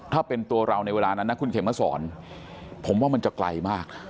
ถ้าเป็นตัวเราในเวลานั้นนะคุณเข็มมาสอนผมว่ามันจะไกลมาก